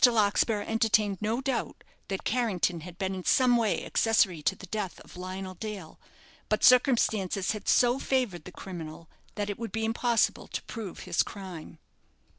Larkspur entertained no doubt that Carrington had been in some way accessory to the death of Lionel Dale, but circumstances had so favoured the criminal that it would be impossible to prove his crime.